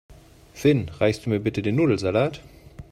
Finn, reichst du mir bitte den Nudelsalat?